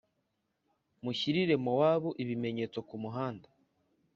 Mushyirire Mowabu ibimenyetso ku muhanda